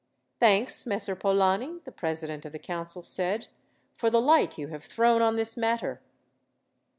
"Thanks, Messer Polani," the president of the council said, "for the light you have thrown on this matter.